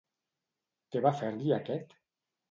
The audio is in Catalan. Què va fer-li aquest?